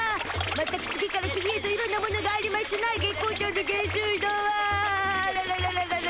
まったく次から次へといろんなものがありましゅな月光町の下水道はあらららららら。